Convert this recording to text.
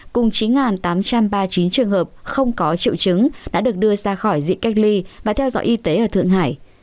cùng chín tám trăm ba mươi chín trường hợp không có triệu chứng đã được đưa ra khỏi diện cách ly và theo dõi y tế ở thượng hải